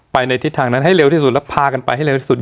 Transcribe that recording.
ในทิศทางนั้นให้เร็วที่สุดแล้วพากันไปให้เร็วที่สุด